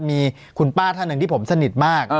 มีคุณป้าท่านหนึ่งที่ผมสนิทมาก